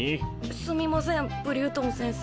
すみませんブリュートン先生。